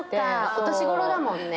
お年頃だもんね